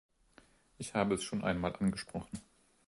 Ich habe es schon einmal angesprochen.